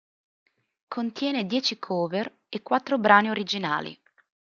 Contiene dieci cover e quattro brani originali.